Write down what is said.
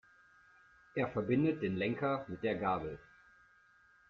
Er verbindet den Lenker mit der Gabel.